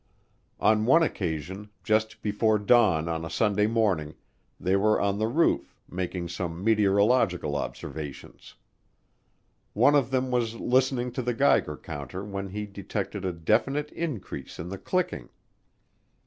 On one occasion, just before dawn on a Sunday morning, they were on the roof, making some meteorological observations. One of them was listening to the Geiger counter when he detected a definite increase in the clicking.